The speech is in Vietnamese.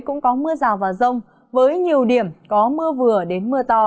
cũng có mưa rào và rông với nhiều điểm có mưa vừa đến mưa to